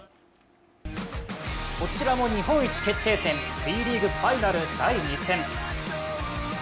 こちらも日本一決定戦、Ｂリーグファイナル第２戦。